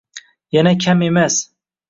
Yana kam emas